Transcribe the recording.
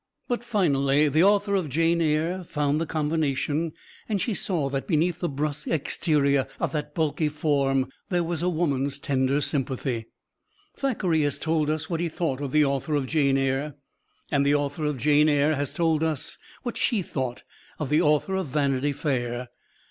But finally the author of "Jane Eyre" found the combination, and she saw that beneath the brusk exterior of that bulky form there was a woman's tender sympathy. Thackeray has told us what he thought of the author of "Jane Eyre," and the author of "Jane Eyre" has told us what she thought of the author of "Vanity Fair."